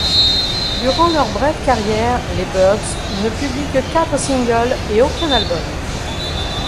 Durant leur brève carrière, les Birds ne publient que quatre singles et aucun album.